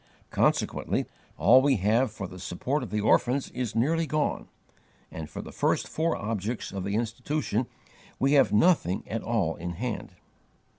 Consequently all we have for the support of the orphans is nearly gone; and for the first four objects of the Institution we have nothing at all in hand.